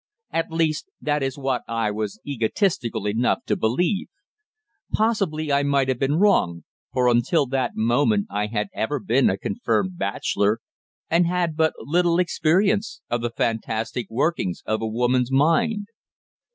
At least, that is what I was egotistical enough to believe. Possibly I might have been wrong, for until that moment I had ever been a confirmed bachelor, and had but little experience of the fantastic workings of a woman's mind.